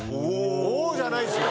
「おお」じゃないんですよ。